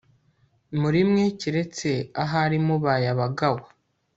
muri mwe Keretse ahari mubaye abagawa